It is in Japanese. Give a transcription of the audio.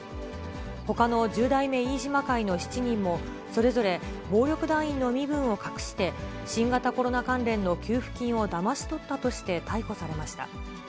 ほかの十代目飯島会の７人も、それぞれ暴力団員の身分を隠して、新型コロナ関連の給付金をだまし取ったとして逮捕されました。